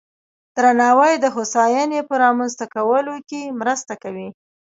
درناوی د هوساینې په رامنځته کولو کې مرسته کوي.